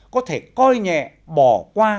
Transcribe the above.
có thể coi nhẹ bỏ qua